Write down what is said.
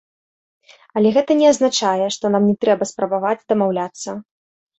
Але гэта не азначае, што нам не трэба спрабаваць дамаўляцца.